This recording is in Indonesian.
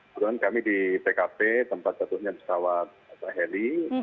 kemudian kami di pkp tempat satunya di sawah heli